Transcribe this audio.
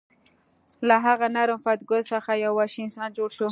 له هغه نرم فریدګل څخه یو وحشي انسان جوړ شو